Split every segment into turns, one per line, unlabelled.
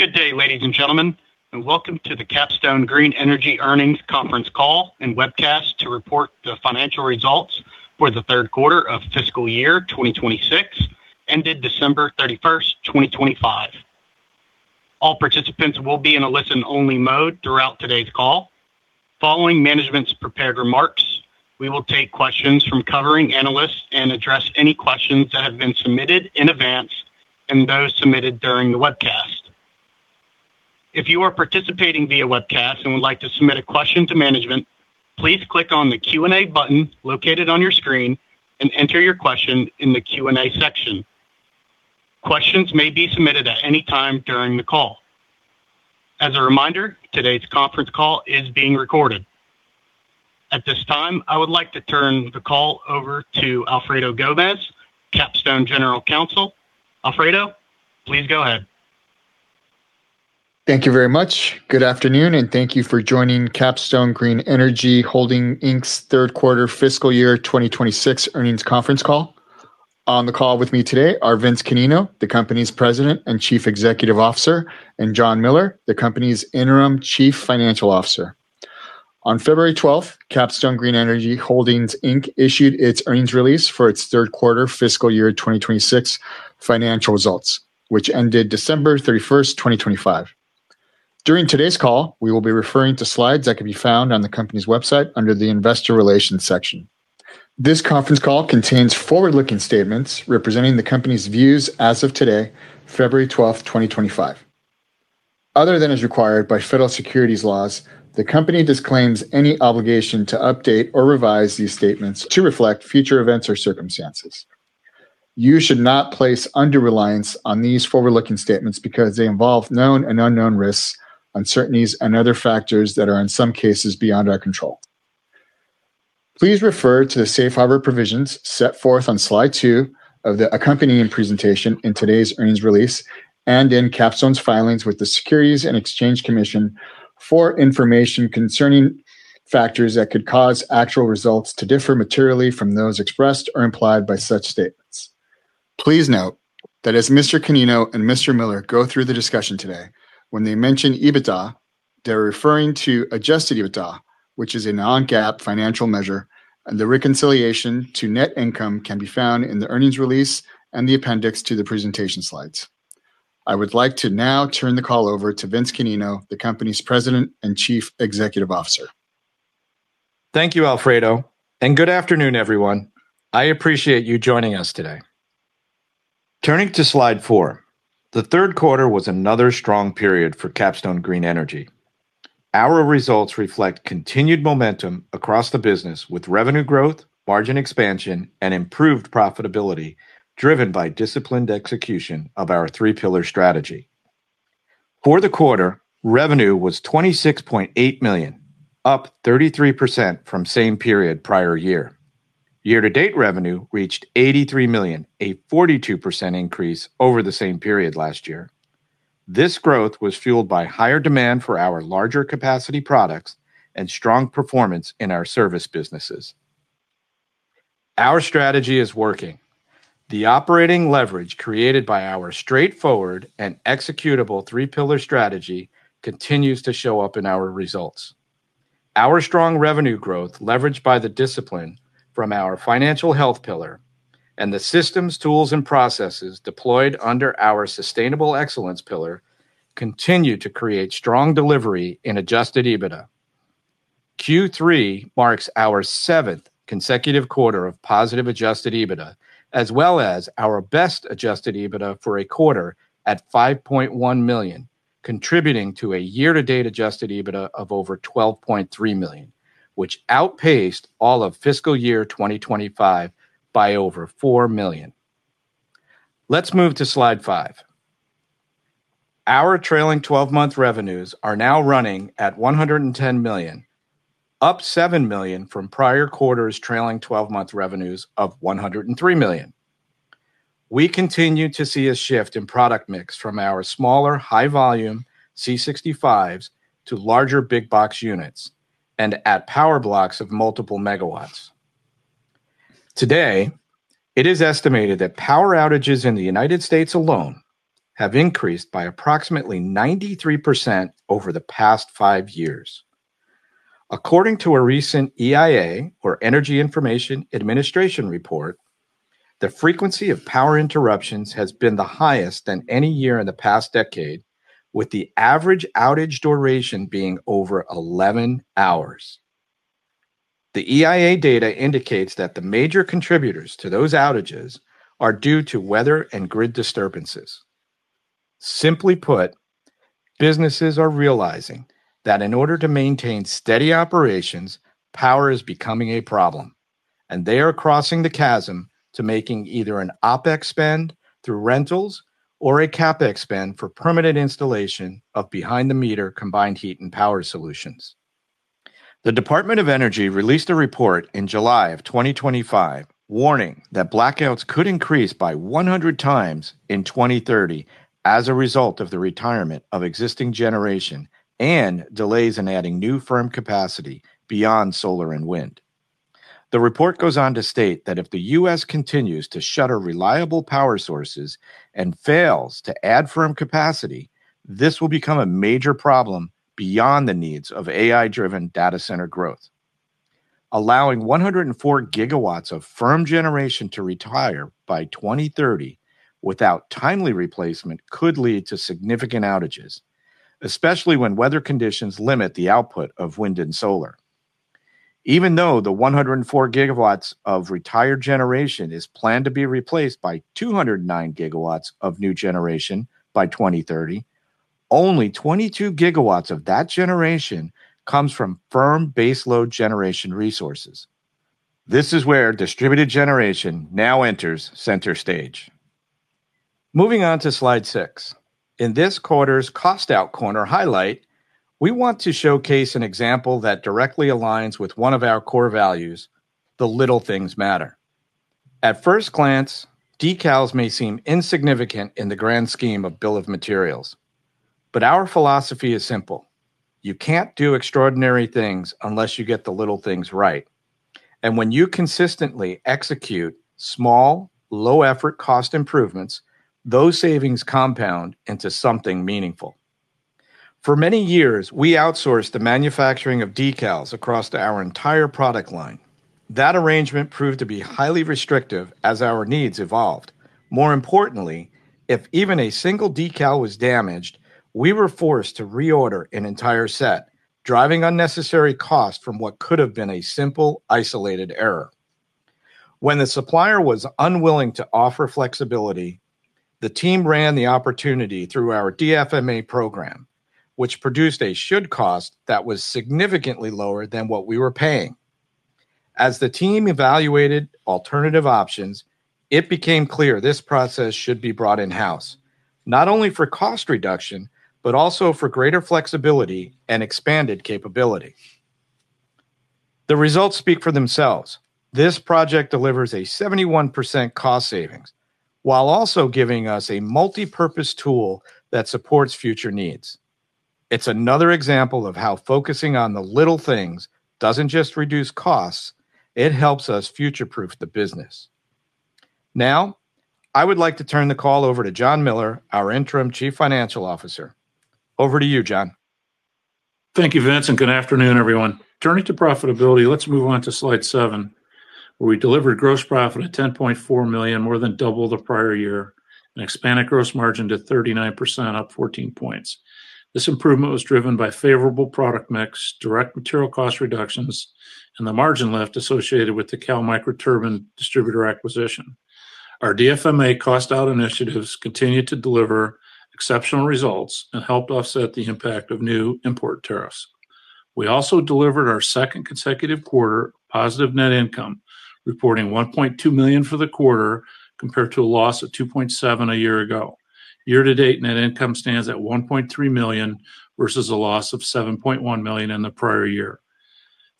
Good day, ladies and gentlemen, and welcome to the Capstone Green Energy Earnings Conference Call and Webcast to report the financial results for the third quarter of fiscal year 2026, ended December 31, 2025. All participants will be in a listen-only mode throughout today's call. Following management's prepared remarks, we will take questions from covering analysts and address any questions that have been submitted in advance and those submitted during the webcast. If you are participating via webcast and would like to submit a question to management, please click on the Q&A button located on your screen and enter your question in the Q&A section. Questions may be submitted at any time during the call. As a reminder, today's Conference Call is being recorded. At this time, I would like to turn the call over to Alfredo Gomez, Capstone General Counsel. Alfredo, please go ahead.
Thank you very much. Good afternoon, and thank you for joining Capstone Green Energy Holdings, Inc.'s third quarter fiscal year 2026 earnings conference call. On the call with me today are Vince Canino, the company's President and Chief Executive Officer, and John Miller, the company's Interim Chief Financial Officer. On 12th February, Capstone Green Energy Holdings, Inc. issued its earnings release for its third quarter fiscal year 2026 financial results, which ended 31st December 2025. During today's call, we will be referring to slides that can be found on the company's website under the Investor Relations section. This conference call contains forward-looking statements representing the company's views as of today, 12th February 2025. Other than as required by federal securities laws, the company disclaims any obligation to update or revise these statements to reflect future events or circumstances. You should not place undue reliance on these forward-looking statements because they involve known and unknown risks, uncertainties, and other factors that are in some cases beyond our control. Please refer to the safe harbor provisions set forth on slide two of the accompanying presentation in today's earnings release and in Capstone's filings with the Securities and Exchange Commission for information concerning factors that could cause actual results to differ materially from those expressed or implied by such statements. Please note that as Mr. Canino and Mr. Miller go through the discussion today, when they mention EBITDA, they're referring to adjusted EBITDA, which is a non-GAAP financial measure, and the reconciliation to net income can be found in the earnings release and the appendix to the presentation slides. I would like to now turn the call over to Vince Canino, the company's President and Chief Executive Officer.
Thank you, Alfredo, and good afternoon, everyone. I appreciate you joining us today. Turning to slide four, the third quarter was another strong period for Capstone Green Energy. Our results reflect continued momentum across the business, with revenue growth, margin expansion, and improved profitability, driven by disciplined execution of our three pillar strategy. For the quarter, revenue was $26.8 million, up 33% from same period prior year. Year to date revenue reached $83 million, a 42% increase over the same period last year. This growth was fueled by higher demand for our larger capacity products and strong performance in our service businesses. Our strategy is working. The operating leverage created by our straightforward and executable three pillar strategy continues to show up in our results. Our strong revenue growth, leveraged by the discipline from our financial health pillar and the systems, tools, and processes deployed under our sustainable excellence pillar, continue to create strong delivery in Adjusted EBITDA. Q3 marks our seventh consecutive quarter of positive Adjusted EBITDA, as well as our best Adjusted EBITDA for a quarter at $5.1 million, contributing to a year-to-date Adjusted EBITDA of over $12.3 million, which outpaced all of fiscal year 2025 by over $4 million. Let's move to slide 5. Our trailing twelve-month revenues are now running at $110 million, up $7 million from prior quarters trailing twelve-month revenues of $103 million. We continue to see a shift in product mix from our smaller, high volume C65s to larger big box units and at power blocks of multiple MW. Today, it is estimated that power outages in the United States alone have increased by approximately 93% over the past five years. According to a recent EIA or Energy Information Administration report, the frequency of power interruptions has been the highest than any year in the past decade, with the average outage duration being over 11 hours. The EIA data indicates that the major contributors to those outages are due to weather and grid disturbances. Simply put, businesses are realizing that in order to maintain steady operations, power is becoming a problem, and they are crossing the chasm to making either an OpEx spend through rentals or a CapEx spend for permanent installation of behind-the-meter combined heat and power solutions. The Department of Energy released a report in July 2025 warning that blackouts could increase by 100 times in 2030 as a result of the retirement of existing generation and delays in adding new firm capacity beyond solar and wind... The report goes on to state that if the U.S. continues to shutter reliable power sources and fails to add firm capacity, this will become a major problem beyond the needs of AI-driven data center growth. Allowing 104 GW of firm generation to retire by 2030 without timely replacement could lead to significant outages, especially when weather conditions limit the output of wind and solar. Even though the 104 GW of retired generation is planned to be replaced by 209 GW of new generation by 2030, only 22 GW of that generation comes from firm baseload generation resources. This is where distributed generation now enters center stage. Moving on to slide six. In this quarter's Cost Out Corner highlight, we want to showcase an example that directly aligns with one of our core values: the little things matter. At first glance, decals may seem insignificant in the grand scheme of bill of materials, but our philosophy is simple: you can't do extraordinary things unless you get the little things right, and when you consistently execute small, low-effort cost improvements, those savings compound into something meaningful. For many years, we outsourced the manufacturing of decals across to our entire product line. That arrangement proved to be highly restrictive as our needs evolved. More importantly, if even a single decal was damaged, we were forced to reorder an entire set, driving unnecessary cost from what could have been a simple, isolated error. When the supplier was unwilling to offer flexibility, the team ran the opportunity through our DFMA program, which produced a should cost that was significantly lower than what we were paying. As the team evaluated alternative options, it became clear this process should be brought in-house, not only for cost reduction, but also for greater flexibility and expanded capability. The results speak for themselves. This project delivers a 71% cost savings, while also giving us a multipurpose tool that supports future needs. It's another example of how focusing on the little things doesn't just reduce costs, it helps us future-proof the business. Now, I would like to turn the call over to John Miller, our Interim Chief Financial Officer. Over to you, John.
Thank you, Vince, and good afternoon, everyone. Turning to profitability, let's move on to slide 7, where we delivered gross profit at $10.4 million, more than double the prior year, and expanded gross margin to 39%, up 14 points. This improvement was driven by favorable product mix, direct material cost reductions, and the margin lift associated with the Cal Microturbine distributor acquisition. Our DFMA cost out initiatives continued to deliver exceptional results and helped offset the impact of new import tariffs. We also delivered our second consecutive quarter positive net income, reporting $1.2 million for the quarter, compared to a loss of $2.7 million a year ago. Year to date, net income stands at $1.3 million versus a loss of $7.1 million in the prior year.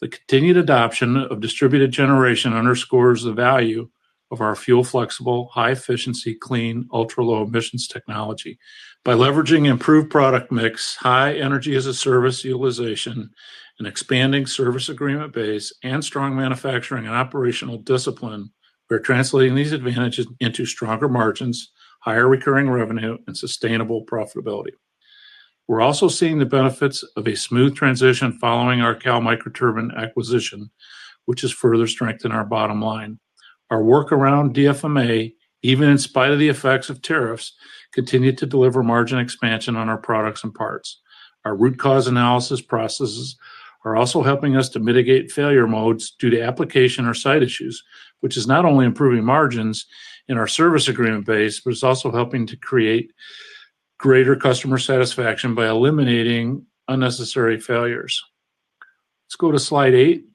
The continued adoption of distributed generation underscores the value of our fuel flexible, high efficiency, clean, ultra-low emissions technology. By leveraging improved product mix, high energy-as-a-service utilization, and expanding service agreement base and strong manufacturing and operational discipline, we're translating these advantages into stronger margins, higher recurring revenue, and sustainable profitability. We're also seeing the benefits of a smooth transition following our Cal Microturbine acquisition, which has further strengthened our bottom line. Our work around DFMA, even in spite of the effects of tariffs, continued to deliver margin expansion on our products and parts. Our root cause analysis processes are also helping us to mitigate failure modes due to application or site issues, which is not only improving margins in our service agreement base, but it's also helping to create greater customer satisfaction by eliminating unnecessary failures. Let's go to slide eight.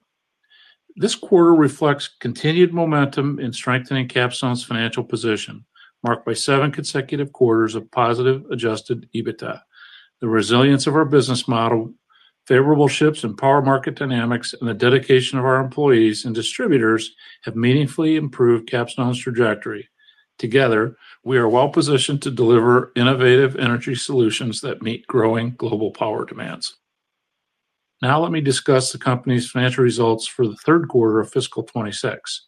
This quarter reflects continued momentum in strengthening Capstone's financial position, marked by seven consecutive quarters of positive Adjusted EBITDA. The resilience of our business model, favorable shifts in power market dynamics, and the dedication of our employees and distributors have meaningfully improved Capstone's trajectory. Together, we are well-positioned to deliver innovative energy solutions that meet growing global power demands. Now let me discuss the company's financial results for the third quarter of fiscal 2026.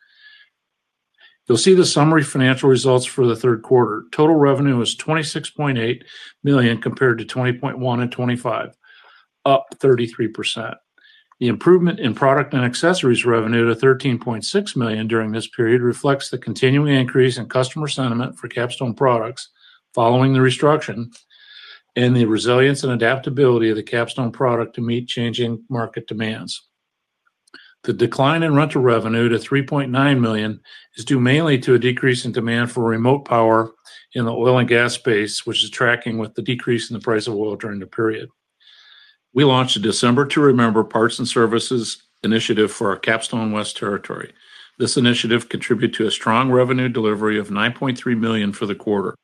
You'll see the summary financial results for the third quarter. Total revenue was $26.8 million, compared to $20.1 million and $25 million, up 33%. The improvement in product and accessories revenue to $13.6 million during this period reflects the continuing increase in customer sentiment for Capstone products following the restructure and the resilience and adaptability of the Capstone product to meet changing market demands. The decline in rental revenue to $3.9 million is due mainly to a decrease in demand for remote power in the oil and gas space, which is tracking with the decrease in the price of oil during the period. We launched a December to remember parts and services initiative for our Capstone West Territory. This initiative contributed to a strong revenue delivery of $9.3 million for the quarter.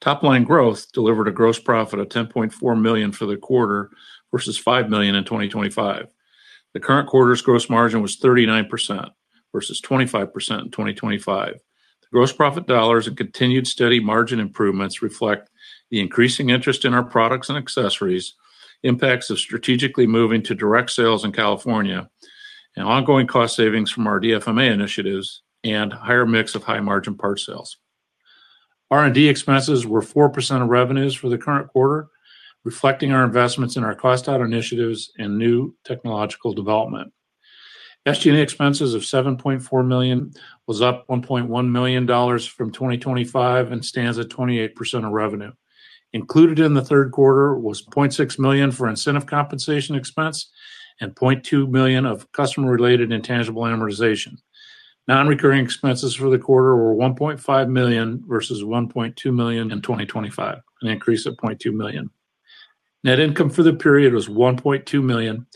Top-line growth delivered a gross profit of $10.4 million for the quarter versus $5 million in 2025. The current quarter's gross margin was 39% versus 25% in 2025. The gross profit dollars and continued steady margin improvements reflect the increasing interest in our products and accessories, impacts of strategically moving to direct sales in California, and ongoing cost savings from our DFMA initiatives, and higher mix of high-margin part sales. R&D expenses were 4% of revenues for the current quarter, reflecting our investments in our cost out initiatives and new technological development. SG&A expenses of $7.4 million was up $1.1 million from 2025 and stands at 28% of revenue. Included in the third quarter was $0.6 million for incentive compensation expense and $0.2 million of customer-related intangible amortization. Non-recurring expenses for the quarter were $1.5 million versus $1.2 million in 2025, an increase of $0.2 million. Net income for the period was $1.2 million,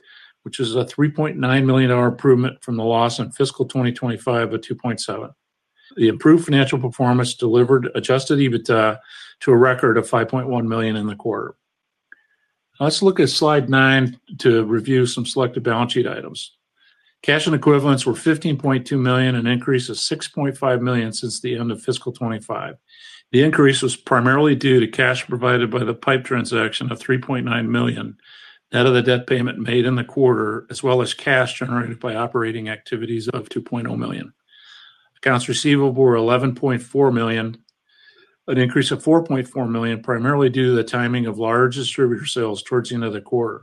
which is a $3.9 million improvement from the loss in fiscal 2025 of $2.7 million. The improved financial performance delivered adjusted EBITDA to a record of $5.1 million in the quarter. Let's look at slide nine to review some selected balance sheet items. Cash and equivalents were $15.2 million, an increase of $6.5 million since the end of fiscal 2025. The increase was primarily due to cash provided by the PIPE transaction of $3.9 million, net of the debt payment made in the quarter, as well as cash generated by operating activities of $2.0 million. Accounts receivable were $11.4 million, an increase of $4.4 million, primarily due to the timing of large distributor sales towards the end of the quarter.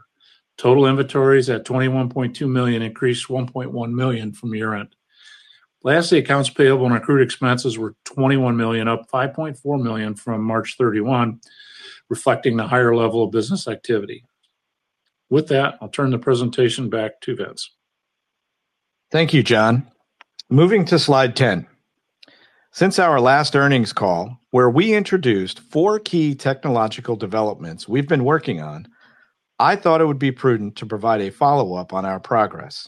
Total inventories at $21.2 million increased $1.1 million from year-end. Lastly, accounts payable and accrued expenses were $21 million, up $5.4 million from March 31, reflecting the higher level of business activity. With that, I'll turn the presentation back to Vince.
Thank you, John. Moving to slide 10. Since our last earnings call, where we introduced four key technological developments we've been working on, I thought it would be prudent to provide a follow-up on our progress.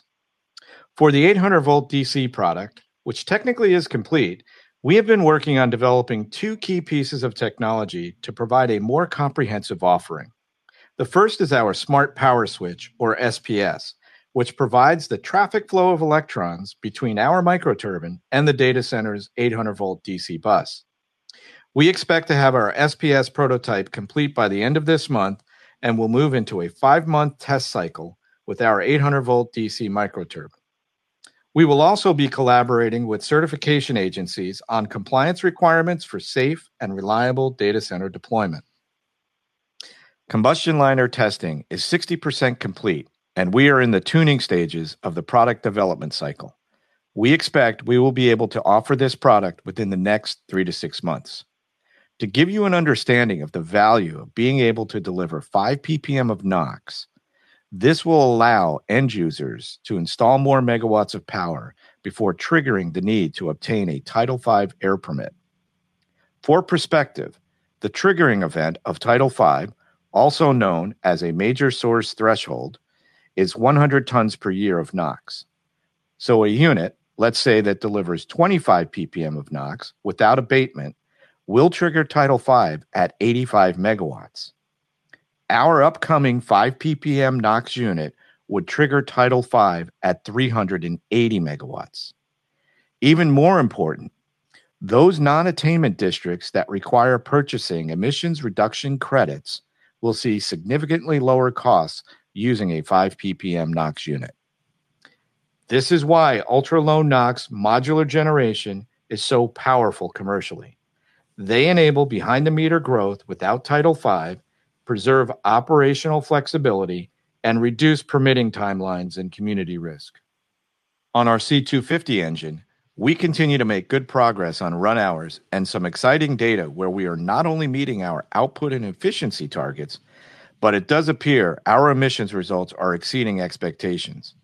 For the 800-volt DC product, which technically is complete, we have been working on developing two key pieces of technology to provide a more comprehensive offering. The first is our Smart Power Switch, or SPS, which provides the traffic flow of electrons between our microturbine and the data center's 800-volt DC bus. We expect to have our SPS prototype complete by the end of this month, and will move into a five month test cycle with our 800-volt DC microturbine. We will also be collaborating with certification agencies on compliance requirements for safe and reliable data center deployment. Combustion liner testing is 60% complete, and we are in the tuning stages of the product development cycle. We expect we will be able to offer this product within the next 3-6 months. To give you an understanding of the value of being able to deliver 5 PPM of NOx, this will allow end users to install more MW of power before triggering the need to obtain a Title V air permit. For perspective, the triggering event of Title V, also known as a major source threshold, is 100 tons per year of NOx. So a unit, let's say, that delivers 25 PPM of NOx without abatement, will trigger Title V at 85 MW. Our upcoming 5 PPM NOx unit would trigger Title V at 380 MW. Even more important, those non-attainment districts that require purchasing emissions reduction credits will see significantly lower costs using a five PPM NOx unit. This is why ultra-low NOx modular generation is so powerful commercially. They enable behind-the-meter growth without Title V, preserve operational flexibility, and reduce permitting timelines and community risk. On our C250 engine, we continue to make good progress on run hours and some exciting data where we are not only meeting our output and efficiency targets, but it does appear our emissions results are exceeding expectations.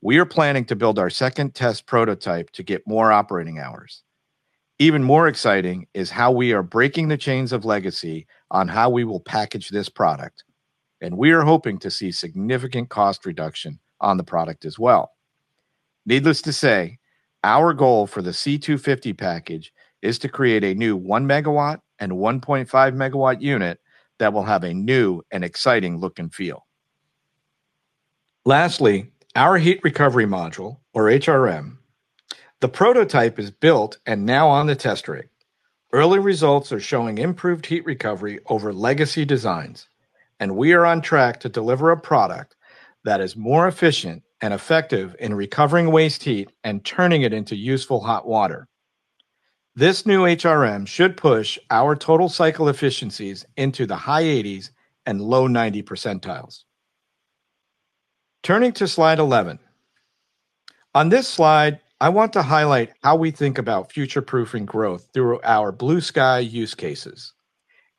We are planning to build our second test prototype to get more operating hours. Even more exciting is how we are breaking the chains of legacy on how we will package this product, and we are hoping to see significant cost reduction on the product as well. Needless to say, our goal for the C250 package is to create a new 1 MW and 1.5 MW unit that will have a new and exciting look and feel. Lastly, our heat recovery module or HRM. The prototype is built and now on the test rig. Early results are showing improved heat recovery over legacy designs, and we are on track to deliver a product that is more efficient and effective in recovering waste heat and turning it into useful hot water. This new HRM should push our total cycle efficiencies into the high 80s and low 90s percentiles. Turning to slide 11. On this slide, I want to highlight how we think about future-proofing growth through our blue sky use cases,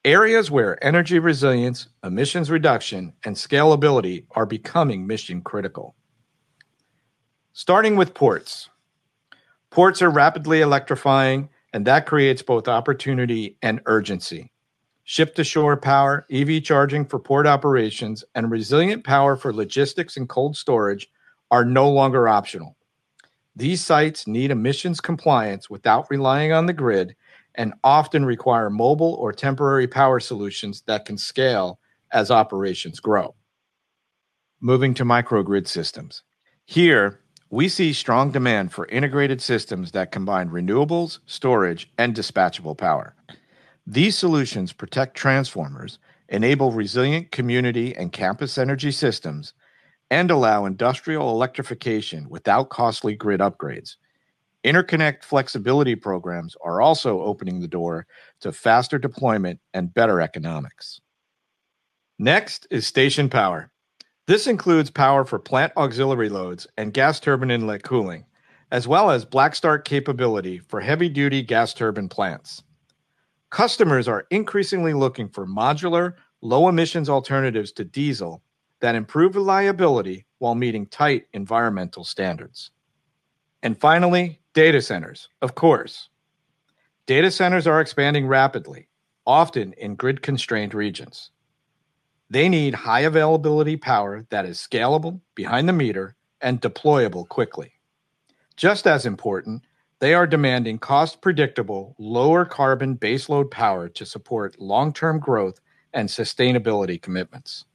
areas where energy resilience, emissions reduction, and scalability are becoming mission-critical. Starting with ports. Ports are rapidly electrifying, and that creates both opportunity and urgency. Ship-to-shore power, EV charging for port operations, and resilient power for logistics and cold storage are no longer optional. These sites need emissions compliance without relying on the grid and often require mobile or temporary power solutions that can scale as operations grow... Moving to Microgrid systems. Here, we see strong demand for integrated systems that combine renewables, storage, and dispatchable power. These solutions protect transformers, enable resilient community and campus energy systems, and allow industrial electrification without costly grid upgrades. Interconnect Flexibility programs are also opening the door to faster deployment and better economics. Next is station power. This includes power for plant auxiliary loads and gas turbine inlet cooling, as well as Black Start capability for heavy-duty gas turbine plants. Customers are increasingly looking for modular, low-emissions alternatives to diesel that improve reliability while meeting tight environmental standards. And finally, data centers, of course. Data centers are expanding rapidly, often in grid-constrained regions. They need high-availability power that is scalable, behind-the-meter, and deployable quickly. Just as important, they are demanding cost-predictable, lower-carbon baseload power to support long-term growth and sustainability commitments.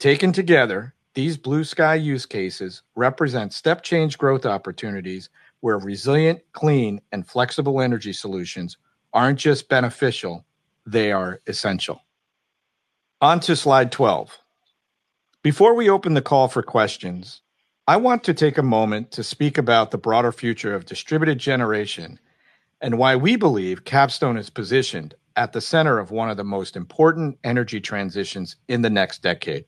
Taken together, these blue sky use cases represent step-change growth opportunities where resilient, clean, and flexible energy solutions aren't just beneficial, they are essential. On to slide 12. Before we open the call for questions, I want to take a moment to speak about the broader future of distributed generation and why we believe Capstone is positioned at the center of one of the most important energy transitions in the next decade.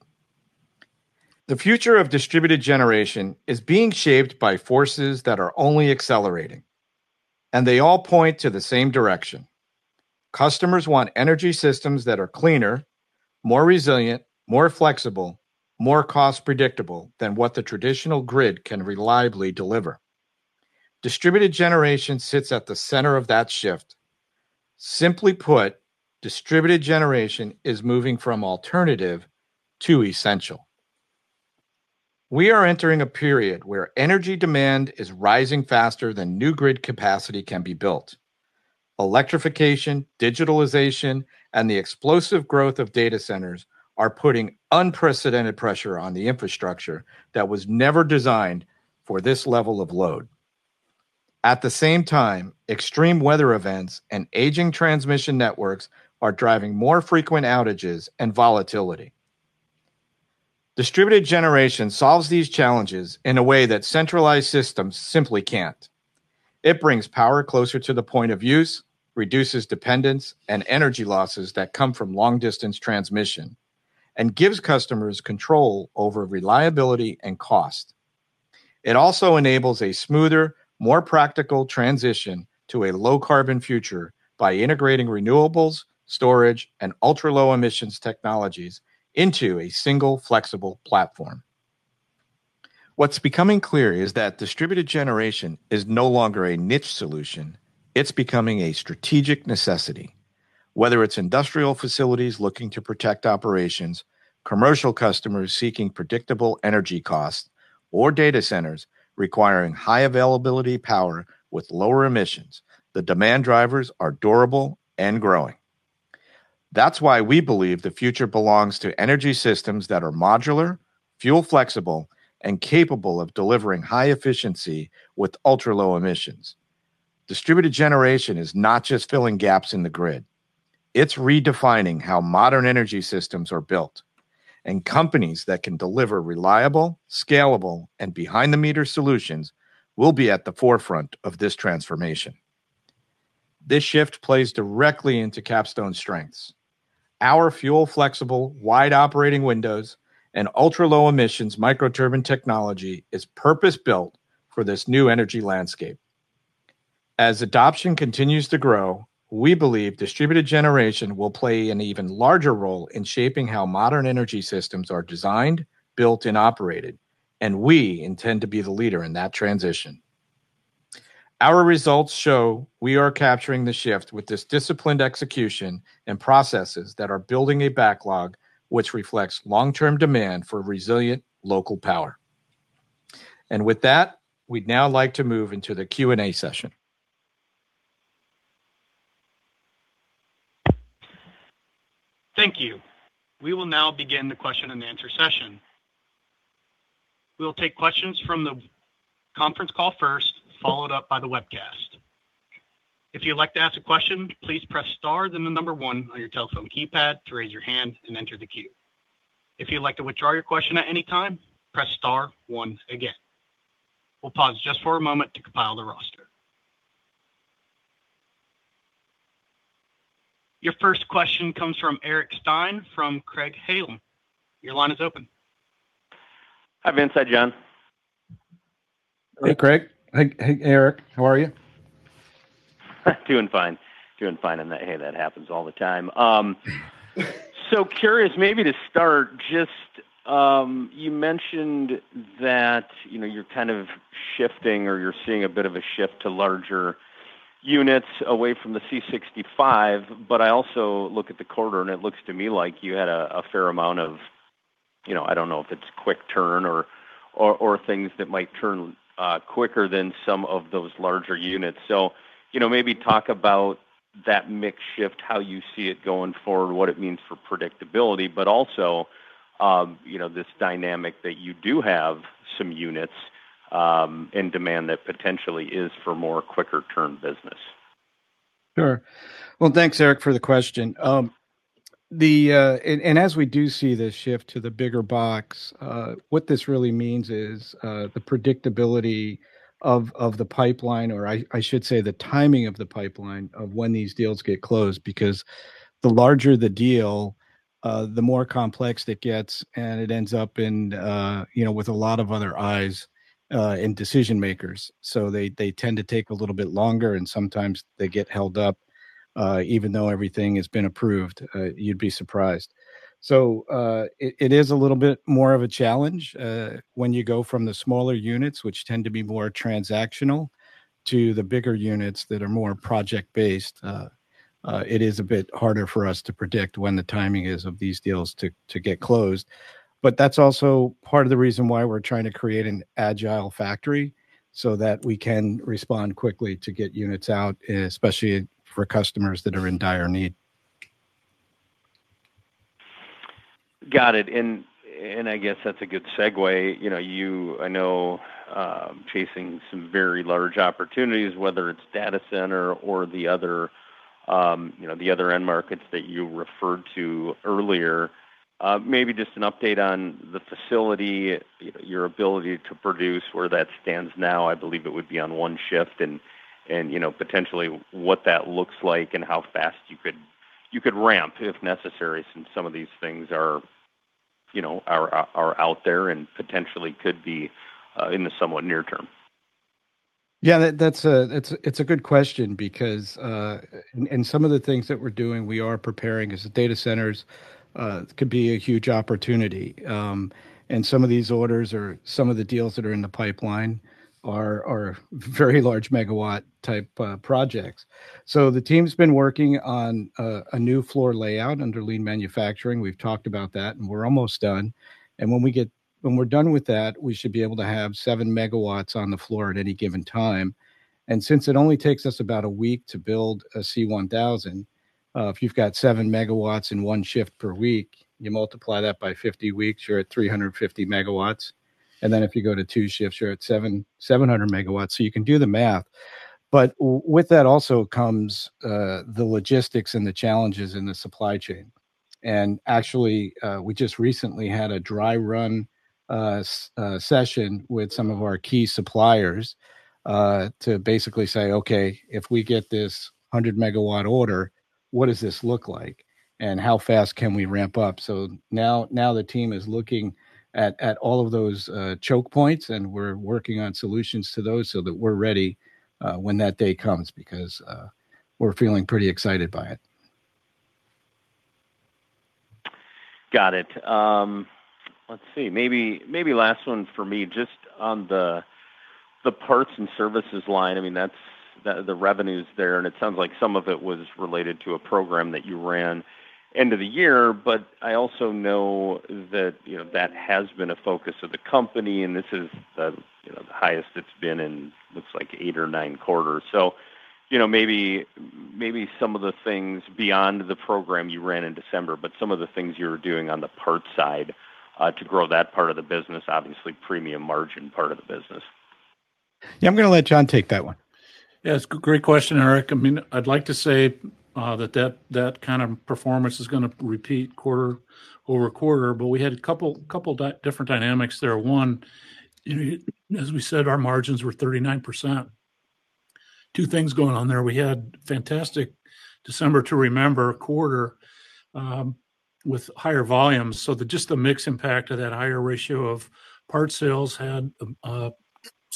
The future of distributed generation is being shaped by forces that are only accelerating, and they all point to the same direction. Customers want energy systems that are cleaner, more resilient, more flexible, more cost predictable than what the traditional grid can reliably deliver. Distributed generation sits at the center of that shift. Simply put, distributed generation is moving from alternative to essential. We are entering a period where energy demand is rising faster than new grid capacity can be built. Electrification, digitalization, and the explosive growth of data centers are putting unprecedented pressure on the infrastructure that was never designed for this level of load. At the same time, extreme weather events and aging transmission networks are driving more frequent outages and volatility. Distributed generation solves these challenges in a way that centralized systems simply can't. It brings power closer to the point of use, reduces dependence and energy losses that come from long-distance transmission, and gives customers control over reliability and cost. It also enables a smoother, more practical transition to a low-carbon future by integrating renewables, storage, and ultra-low emissions technologies into a single flexible platform. What's becoming clear is that distributed generation is no longer a niche solution, it's becoming a strategic necessity. Whether it's industrial facilities looking to protect operations, commercial customers seeking predictable energy costs, or data centers requiring high-availability power with lower emissions, the demand drivers are durable and growing. That's why we believe the future belongs to energy systems that are modular, fuel-flexible, and capable of delivering high efficiency with ultra-low emissions. Distributed generation is not just filling gaps in the grid, it's redefining how modern energy systems are built, and companies that can deliver reliable, scalable, and behind-the-meter solutions will be at the forefront of this transformation. This shift plays directly into Capstone's strengths. Our fuel-flexible, wide operating windows, and ultra-low emissions microturbine technology is purpose-built for this new energy landscape. As adoption continues to grow, we believe distributed generation will play an even larger role in shaping how modern energy systems are designed, built, and operated, and we intend to be the leader in that transition. Our results show we are capturing the shift with this disciplined execution and processes that are building a backlog which reflects long-term demand for resilient local power. With that, we'd now like to move into the Q&A session.
Thank you. We will now begin the question and answer session. We'll take questions from the conference call first, followed up by the webcast. If you'd like to ask a question, please press star, then the number one on your telephone keypad to raise your hand and enter the queue. If you'd like to withdraw your question at any time, press star one again. We'll pause just for a moment to compile the roster. Your first question comes from Eric Stine from Craig-Hallum. Your line is open.
Hi, Vince and John.
Hey, Craig. Hey, hey, Eric. How are you?
Doing fine. Doing fine, and, hey, that happens all the time. So curious maybe to start, just, you mentioned that, you know, you're kind of shifting or you're seeing a bit of a shift to larger units away from the C65, but I also look at the quarter, and it looks to me like you had a, a fair amount of, you know, I don't know if it's quick turn or, or, or things that might turn, quicker than some of those larger units. So, you know, maybe talk about that mix shift, how you see it going forward, what it means for predictability, but also, you know, this dynamic that you do have some units, in demand that potentially is for more quicker term business?
Sure. Well, thanks, Eric, for the question. As we do see this shift to the bigger box, what this really means is the predictability of the pipeline, or I should say, the timing of the pipeline of when these deals get closed, because the larger the deal, the more complex it gets, and it ends up in you know with a lot of other eyes and decision makers. So they tend to take a little bit longer, and sometimes they get held up even though everything has been approved. You'd be surprised. So it is a little bit more of a challenge when you go from the smaller units, which tend to be more transactional, to the bigger units that are more project-based. It is a bit harder for us to predict when the timing is of these deals to get closed. But that's also part of the reason why we're trying to create an agile factory, so that we can respond quickly to get units out, especially for customers that are in dire need.
Got it. And I guess that's a good segue. You know, you, I know, are facing some very large opportunities, whether it's data center or the other, you know, the other end markets that you referred to earlier. Maybe just an update on the facility, your ability to produce, where that stands now. I believe it would be on one shift, and, you know, potentially what that looks like and how fast you could, you could ramp, if necessary, since some of these things are, you know, are, are out there and potentially could be, in the somewhat near term.
Yeah, that's a good question because, and some of the things that we're doing, we are preparing, is the data centers could be a huge opportunity. And some of these orders or some of the deals that are in the pipeline are very large MW-type projects. So the team's been working on a new floor layout under lean manufacturing. We've talked about that, and we're almost done. And when we're done with that, we should be able to have 7MW on the floor at any given time. And since it only takes us about a week to build a C1000, if you've got 7MW in one shift per week, you multiply that by 50 weeks, you're at 350 MW. And then if you go to two shifts, you're at 700 MW. So you can do the math. But with that also comes the logistics and the challenges in the supply chain. And actually, we just recently had a dry run session with some of our key suppliers to basically say, "Okay, if we get this 100MW order, what does this look like, and how fast can we ramp up?" So now the team is looking at all of those choke points, and we're working on solutions to those so that we're ready when that day comes, because we're feeling pretty excited by it.
Got it. Let's see. Maybe, maybe last one for me, just on the, the parts and services line. I mean, that's the, the revenues there, and it sounds like some of it was related to a program that you ran end of the year, but I also know that, you know, that has been a focus of the company, and this is the, you know, the highest it's been in, looks like, eight or nine quarters. So, you know, maybe, maybe some of the things beyond the program you ran in December, but some of the things you're doing on the parts side, to grow that part of the business, obviously, premium margin part of the business.
Yeah, I'm going to let John take that one.
Yeah, it's a great question, Eric. I mean, I'd like to say that kind of performance is gonna repeat quarter over quarter, but we had a couple different dynamics there. One, as we said, our margins were 39%. Two things going on there. We had fantastic December to remember quarter with higher volumes, so just the mix impact of that higher ratio of parts sales had a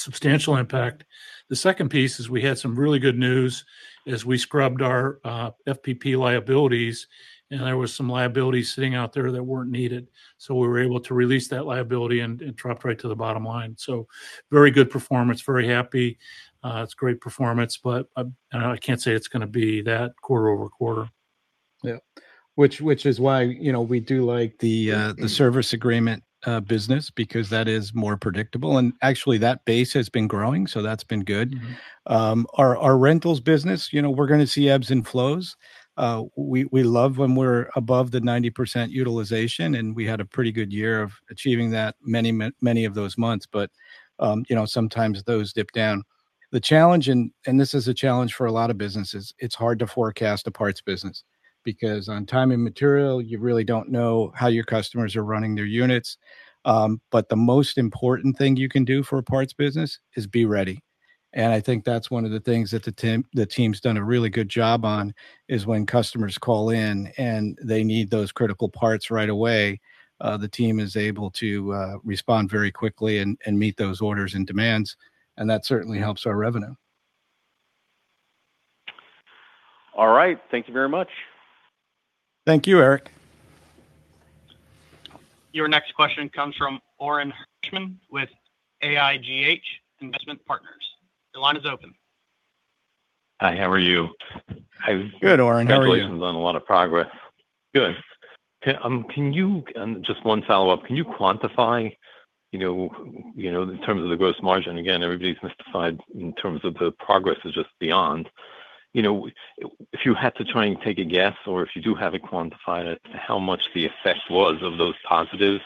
substantial impact. The second piece is we had some really good news as we scrubbed our FPP liabilities, and there was some liabilities sitting out there that weren't needed. So we were able to release that liability, and it dropped right to the bottom line. So very good performance, very happy. It's great performance, but I can't say it's gonna be that quarter over quarter.
Yeah. Which is why, you know, we do like the,
Mm-hmm...
the service agreement business, because that is more predictable. And actually, that base has been growing, so that's been good.
Mm-hmm.
Our rentals business, you know, we're gonna see ebbs and flows. We love when we're above the 90% utilization, and we had a pretty good year of achieving that many of those months. But, you know, sometimes those dip down. The challenge, and this is a challenge for a lot of businesses, it's hard to forecast a parts business because on time and material, you really don't know how your customers are running their units. But the most important thing you can do for a parts business is be ready, and I think that's one of the things that the team's done a really good job on, is when customers call in and they need those critical parts right away, the team is able to respond very quickly and meet those orders and demands, and that certainly helps our revenue.
All right. Thank you very much.
Thank you, Eric.
Your next question comes from Oren Hirschman with AIGH Investment Partners. Your line is open.
Hi, how are you?
Hi. Good, Oren. How are you?
Congratulations on a lot of progress. Can, can you, and just one follow-up, can you quantify, you know, you know, in terms of the gross margin? Again, everybody's mystified in terms of the progress is just beyond. You know, if you had to try and take a guess or if you do have it quantified it, how much the effect was of those positives,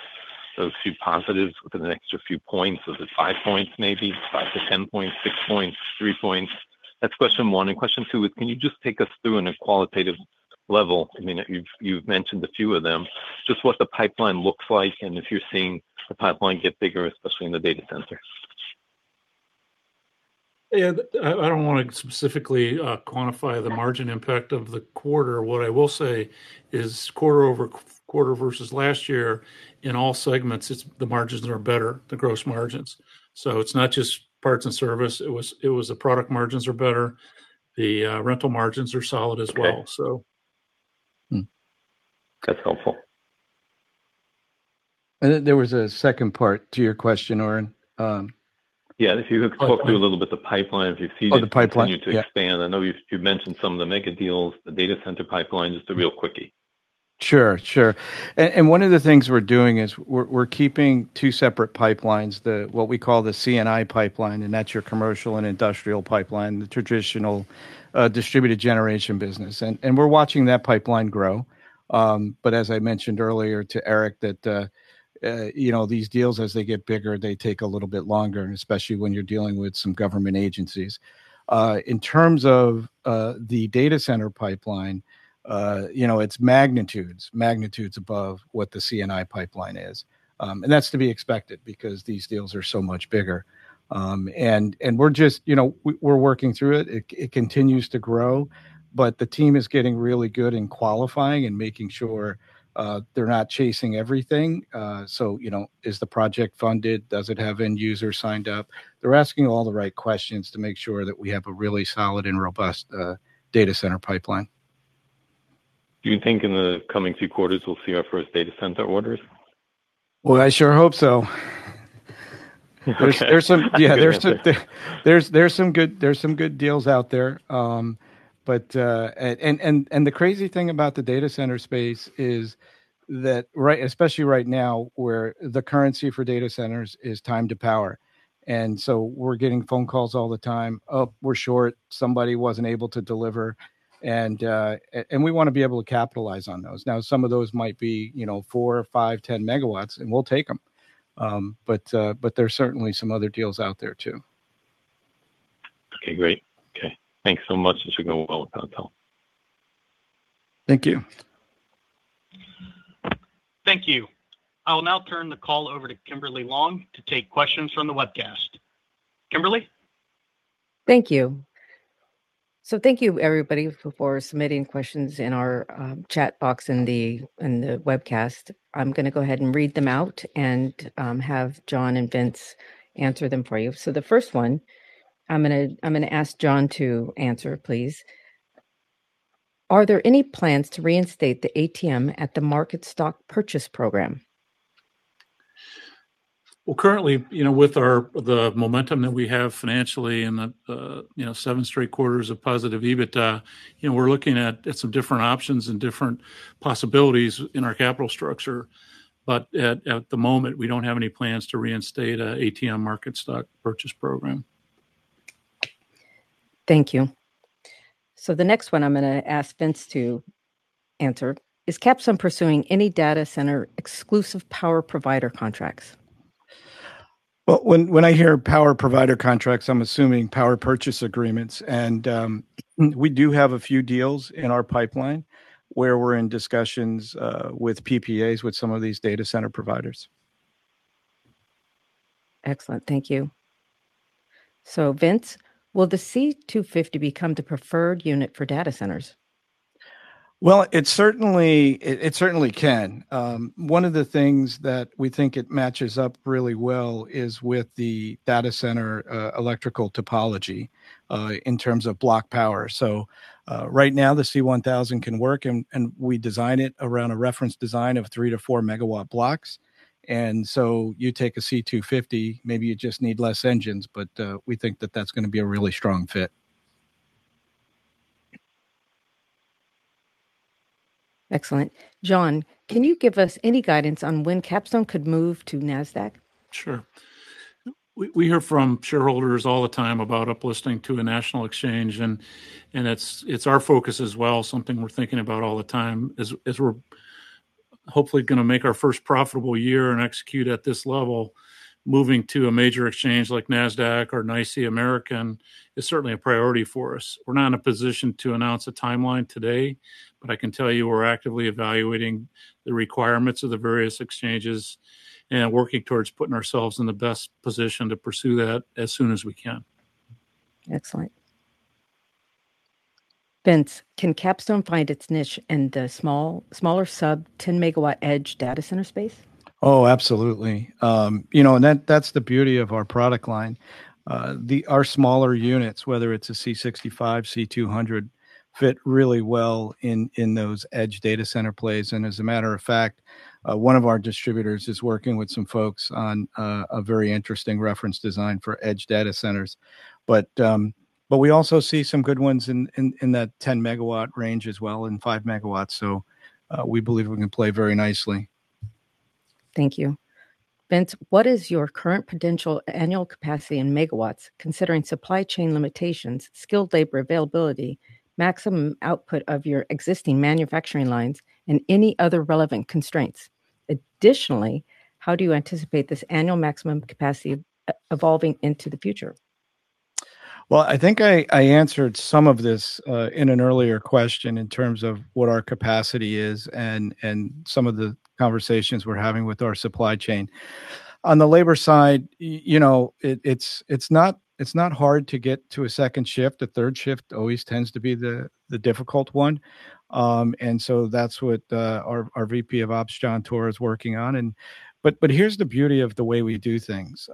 those few positives within the extra few points. Was it five points, maybe? 5-10 points, six points, three points? That's question one. Question two is, can you just take us through on a qualitative level? I mean, you've mentioned a few of them, just what the pipeline looks like, and if you're seeing the pipeline get bigger, especially in the data center.
I don't want to specifically quantify the margin impact of the quarter. What I will say is quarter-over-quarter versus last year, in all segments, the margins are better, the gross margins. So it's not just parts and service, it was the product margins are better. The rental margins are solid as well.
Okay.
So...
Hmm. That's helpful.
And then there was a second part to your question, Oren.
Yeah, if you could talk through a little bit the pipeline, if you've seen-
Oh, the pipeline.
It continue to expand. I know you've mentioned some of the mega deals, the data center pipeline, just a real quickie.
Sure, sure. And one of the things we're doing is we're keeping two separate pipelines, the what we call the C&I pipeline, and that's your commercial and industrial pipeline, the traditional, distributed generation business. And we're watching that pipeline grow. But as I mentioned earlier to Eric, you know, these deals, as they get bigger, they take a little bit longer, and especially when you're dealing with some government agencies. In terms of the data center pipeline, you know, it's magnitudes, magnitudes above what the C&I pipeline is. And that's to be expected because these deals are so much bigger. And we're just, you know, we're working through it. It continues to grow, but the team is getting really good in qualifying and making sure they're not chasing everything. So, you know, is the project funded? Does it have end users signed up? They're asking all the right questions to make sure that we have a really solid and robust data center pipeline.
Do you think in the coming few quarters, we'll see our first data center orders?
Well, I sure hope so.
Okay.
Yeah, there's some good deals out there. But the crazy thing about the data center space is that right, especially right now, where the currency for data centers is time to power. And so we're getting phone calls all the time, "Oh, we're short. Somebody wasn't able to deliver." And we want to be able to capitalize on those. Now, some of those might be, you know, four, five, 10 MW, and we'll take them. But there's certainly some other deals out there, too.
Okay, great. Okay. Thank you so much. This is going well with Capstone.
Thank you.
Thank you. I will now turn the call over to Kimberly Long to take questions from the webcast. Kimberly?
Thank you. So thank you, everybody, for submitting questions in our chat box in the webcast. I'm going to go ahead and read them out and have John and Vince answer them for you. So the first one, I'm gonna ask John to answer, please. Are there any plans to reinstate the ATM at the market stock purchase program?
Well, currently, you know, with our the momentum that we have financially and the you know, seven straight quarters of positive EBITDA, you know, we're looking at some different options and different possibilities in our capital structure. But at the moment, we don't have any plans to reinstate a ATM market stock purchase program.
Thank you. So the next one I'm gonna ask Vince to answer: Is Capstone pursuing any data center exclusive power provider contracts?
Well, when I hear power provider contracts, I'm assuming power purchase agreements. We do have a few deals in our pipeline where we're in discussions with PPAs with some of these data center providers.
Excellent. Thank you. So Vince, will the C250 become the preferred unit for data centers?
Well, it certainly can. One of the things that we think it matches up really well is with the data center electrical topology in terms of block power. So, right now, the C1000 can work, and we design it around a reference design of 3-4 MW blocks. And so you take a C250, maybe you just need less engines, but we think that that's gonna be a really strong fit.
Excellent. John, can you give us any guidance on when Capstone could move to Nasdaq?
Sure. We hear from shareholders all the time about uplisting to a national exchange, and it's our focus as well, something we're thinking about all the time. As we're hopefully gonna make our first profitable year and execute at this level, moving to a major exchange like Nasdaq or NYSE American is certainly a priority for us. We're not in a position to announce a timeline today, but I can tell you we're actively evaluating the requirements of the various exchanges and working towards putting ourselves in the best position to pursue that as soon as we can.
Excellent. Vince, can Capstone find its niche in the smaller sub 10 MW edge data center space?
Oh, absolutely. You know, and that, that's the beauty of our product line. Our smaller units, whether it's a C65, C200, fit really well in, in those edge data center plays. And as a matter of fact, one of our distributors is working with some folks on a very interesting reference design for edge data centers. But, but we also see some good ones in, in, in that 10MW range as well, and 5 MW. So, we believe we can play very nicely.
Thank you. Vince, what is your current potential annual capacity in MW, considering supply chain limitations, skilled labor availability, maximum output of your existing manufacturing lines, and any other relevant constraints? Additionally, how do you anticipate this annual maximum capacity evolving into the future?
Well, I think I answered some of this in an earlier question in terms of what our capacity is and some of the conversations we're having with our supply chain. On the labor side, you know, it's not hard to get to a second shift. A third shift always tends to be the difficult one. And so that's what our VP of Operations, John Toor, is working on. But here's the beauty of the way we do things.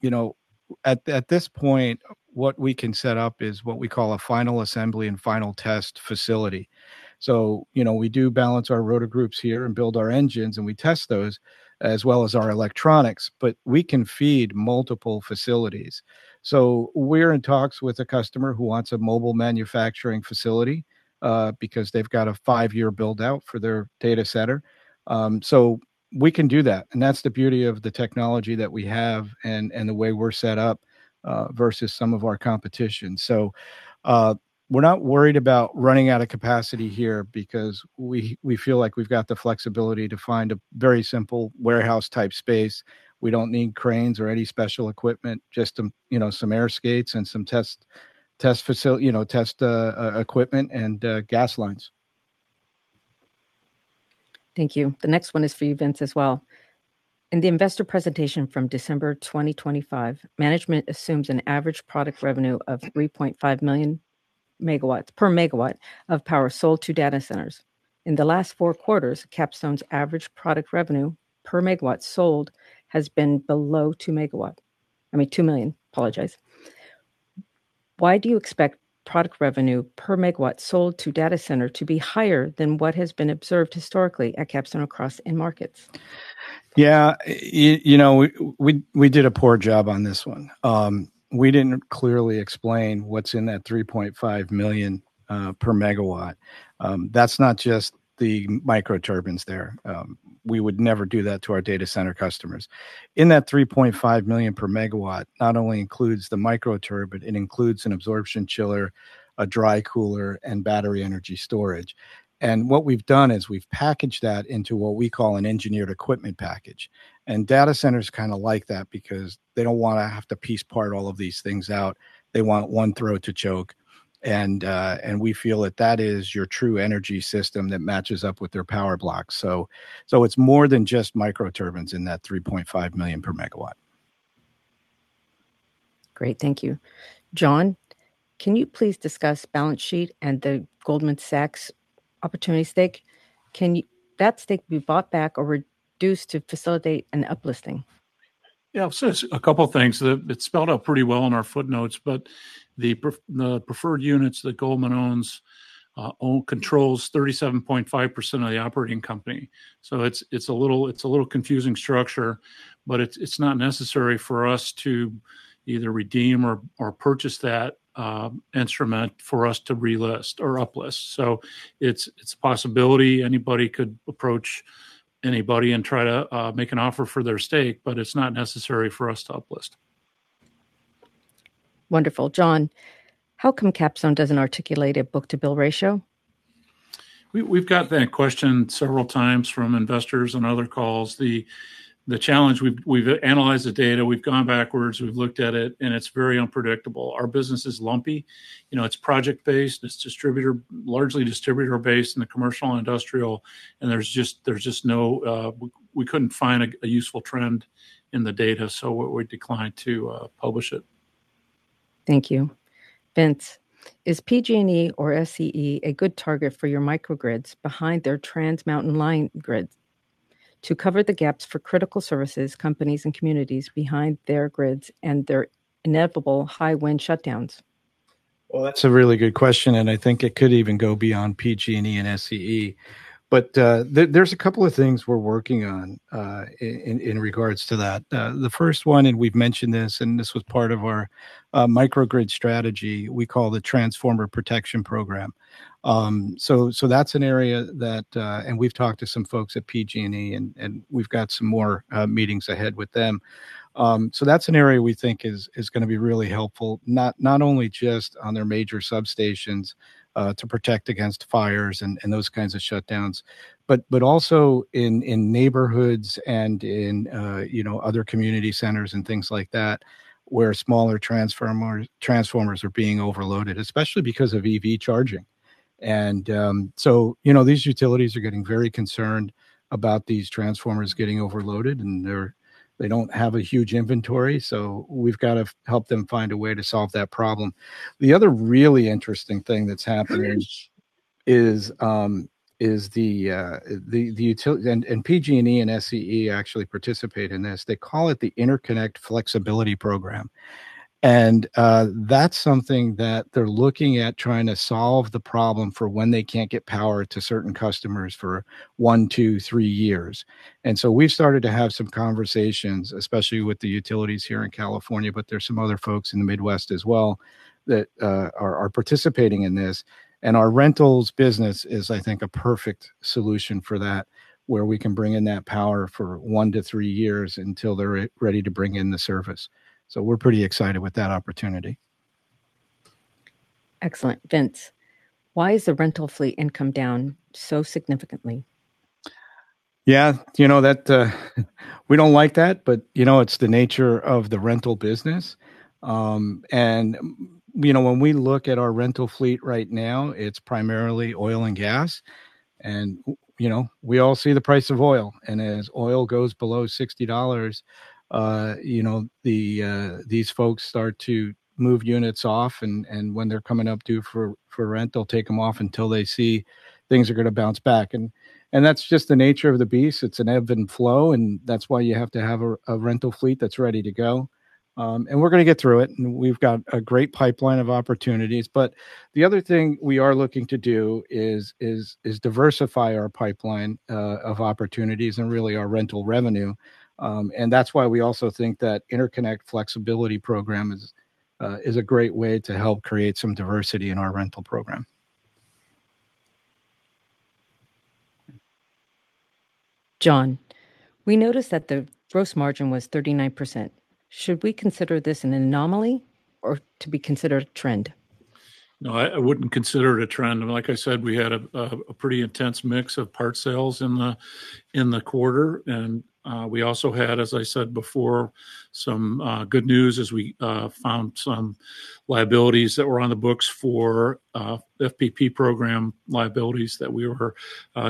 You know, at this point, what we can set up is what we call a final assembly and final test facility. So, you know, we do balance our rotor groups here and build our engines, and we test those, as well as our electronics, but we can feed multiple facilities. So we're in talks with a customer who wants a mobile manufacturing facility, because they've got a five-year build-out for their data center. So we can do that, and that's the beauty of the technology that we have and, and the way we're set up versus some of our competition. So we're not worried about running out of capacity here because we, we feel like we've got the flexibility to find a very simple warehouse-type space. We don't need cranes or any special equipment, just some, you know, some air skates and some test equipment and gas lines.
Thank you. The next one is for you, Vince, as well. In the investor presentation from December 2025, management assumes an average product revenue of $3.5 million per MW of power sold to data centers. In the last four quarters, Capstone's average product revenue per MW sold has been below two MW... I mean, $2 million. Apologize. Why do you expect product revenue per MW sold to data center to be higher than what has been observed historically at Capstone across in markets?
Yeah, you know, we did a poor job on this one. We didn't clearly explain what's in that $3.5 million per MW. That's not just the microturbines there. We would never do that to our data center customers. In that $3.5 million per MW, not only includes the microturbine, it includes an absorption chiller, a dry cooler, and battery energy storage. And what we've done is we've packaged that into what we call an engineered equipment package. And data centers kinda like that because they don't wanna have to piece part all of these things out. They want one throat to choke, and we feel that that is your true energy system that matches up with their power block. So it's more than just microturbines in that $3.5 million per MW.
Great, thank you. John, can you please discuss balance sheet and the Goldman Sachs opportunity stake? Can that stake be bought back or reduced to facilitate an uplisting?
Yeah, so it's a couple things that it's spelled out pretty well in our footnotes, but the preferred units that Goldman owns controls 37.5% of the operating company. So it's a little confusing structure, but it's not necessary for us to either redeem or purchase that instrument for us to relist or uplist. So it's a possibility. Anybody could approach anybody and try to make an offer for their stake, but it's not necessary for us to uplist.
Wonderful. John, how come Capstone doesn't articulate a book-to-bill Ratio?
We've got that question several times from investors on other calls. The challenge... We've analyzed the data, we've gone backwards, we've looked at it, and it's very unpredictable. Our business is lumpy. You know, it's project-based, it's largely distributor-based in the commercial and industrial, and there's just no... We couldn't find a useful trend in the data, so we declined to publish it.
Thank you. Vince, is PG&E or SCE a good target for your microgrids behind their transmountain line grids to cover the gaps for critical services, companies, and communities behind their grids and their inevitable high wind shutdowns?
Well, that's a really good question, and I think it could even go beyond PG&E and SCE. But there's a couple of things we're working on in regards to that. The first one, and we've mentioned this, and this was part of our microgrid strategy, we call the Transformer Protection Program. So that's an area that. And we've talked to some folks at PG&E, and we've got some more meetings ahead with them. So that's an area we think is gonna be really helpful, not only just on their major substations to protect against fires and those kinds of shutdowns, but also in neighborhoods and in you know, other community centers and things like that, where smaller transformers are being overloaded, especially because of EV charging. So, you know, these utilities are getting very concerned about these transformers getting overloaded, and they don't have a huge inventory, so we've got to help them find a way to solve that problem. The other really interesting thing that's happening is the utilities and PG&E and SCE actually participate in this. They call it the Interconnect Flexibility Program. That's something that they're looking at trying to solve the problem for when they can't get power to certain customers for 1-3 years. So we've started to have some conversations, especially with the utilities here in California, but there's some other folks in the Midwest as well, that are participating in this. Our rentals business is, I think, a perfect solution for that, where we can bring in that power for 1-3 years until they're ready to bring in the service. So we're pretty excited with that opportunity.
Excellent! Vince, why is the rental fleet income down so significantly?
Yeah, you know, that we don't like that, but, you know, it's the nature of the rental business. And, you know, when we look at our rental fleet right now, it's primarily oil and gas, and, you know, we all see the price of oil. And as oil goes below $60, you know, these folks start to move units off, and when they're coming up due for rent, they'll take them off until they see things are gonna bounce back. And that's just the nature of the beast. It's an ebb and flow, and that's why you have to have a rental fleet that's ready to go. And we're gonna get through it, and we've got a great pipeline of opportunities. But the other thing we are looking to do is diversify our pipeline of opportunities and really our rental revenue. And that's why we also think that Interconnect Flexibility Program is a great way to help create some diversity in our rental program.
John, we noticed that the gross margin was 39%. Should we consider this an anomaly or to be considered a trend?
No, I, I wouldn't consider it a trend. And like I said, we had a pretty intense mix of part sales in the quarter, and we also had, as I said before, some good news as we found some liabilities that were on the books for FPP program liabilities that we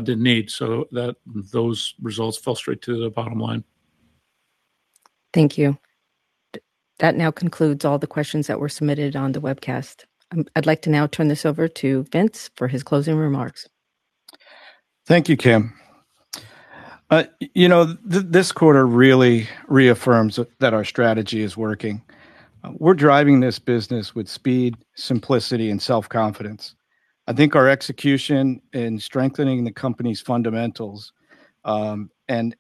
didn't need, so that, those results fell straight to the bottom line.
Thank you. That now concludes all the questions that were submitted on the webcast. I'd like to now turn this over to Vince for his closing remarks.
Thank you, Kim. You know, this quarter really reaffirms that our strategy is working. We're driving this business with speed, simplicity, and self-confidence. I think our execution in strengthening the company's fundamentals. And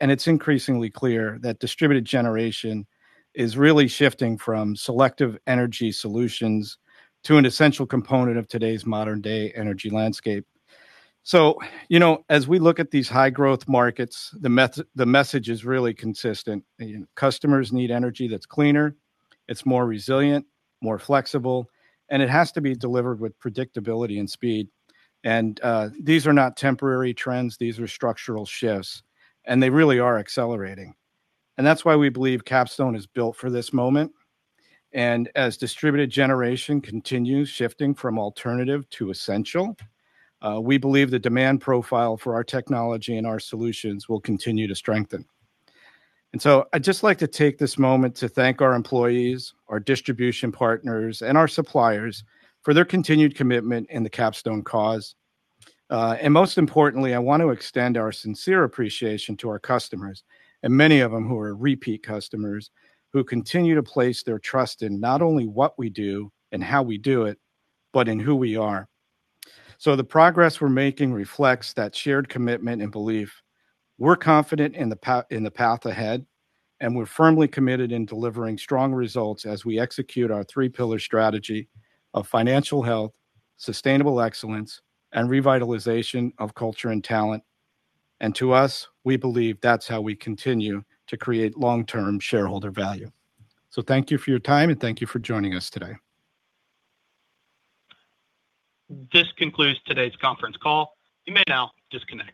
it's increasingly clear that distributed generation is really shifting from selective energy solutions to an essential component of today's modern-day energy landscape. So, you know, as we look at these high-growth markets, the message is really consistent. Customers need energy that's cleaner, it's more resilient, more flexible, and it has to be delivered with predictability and speed. And these are not temporary trends, these are structural shifts, and they really are accelerating. And that's why we believe Capstone is built for this moment. As distributed generation continues shifting from alternative to essential, we believe the demand profile for our technology and our solutions will continue to strengthen. So I'd just like to take this moment to thank our employees, our distribution partners, and our suppliers for their continued commitment in the Capstone cause. And most importantly, I want to extend our sincere appreciation to our customers, and many of them who are repeat customers, who continue to place their trust in not only what we do and how we do it, but in who we are. So the progress we're making reflects that shared commitment and belief. We're confident in the path ahead, and we're firmly committed in delivering strong results as we execute our three pillar strategy of financial health, sustainable excellence, and revitalization of culture and talent. To us, we believe that's how we continue to create long-term shareholder value. Thank you for your time, and thank you for joining us today.
This concludes today's conference call. You may now disconnect.